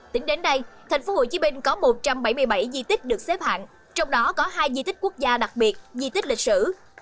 tính đến đây tp hcm có một trăm bảy mươi bảy di tích được xếp hạng trong đó có hai di tích quốc gia đặc biệt di tích lịch sử